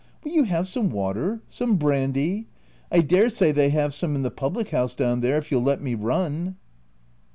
Will you have some water — some brandy ?— I dare say they have some in the public house down there 5 if you'll let me run."